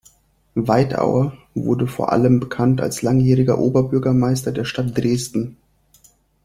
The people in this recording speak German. Weidauer wurde vor allem bekannt als langjähriger Oberbürgermeister der Stadt Dresden.